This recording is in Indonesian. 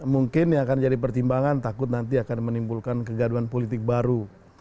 mungkin yang akan jadi pertimbangan takut nanti akan menimbulkan kegaduan politik baru